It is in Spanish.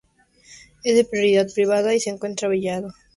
Es de propiedad privada y se encuentra vallado.